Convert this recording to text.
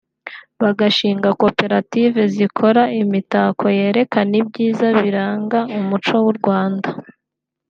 bagashinga koperative zikora imitako yerekana ibyiza biranga umuco w’u Rwanda